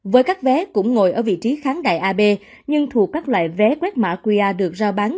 với các vé cũng ngồi ở vị trí kháng đài a b nhưng thuộc các loại vé quét mạ qia được giao bán